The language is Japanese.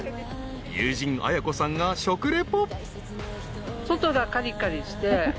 ［友人アヤコさんが食リポ］